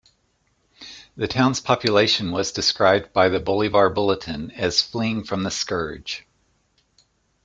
The town's population was described by the "Bolivar Bulletin" as "fleeing from the scourge".